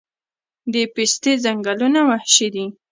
د پستې ځنګلونه وحشي دي؟